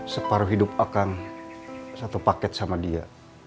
separuh hidup akan satu paket sama dia